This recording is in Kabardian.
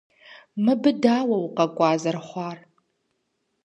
Мыбы дауэ укъэкӀуа зэрыхъуар?